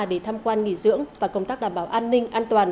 để tham quan nghỉ dưỡng và công tác đảm bảo an ninh an toàn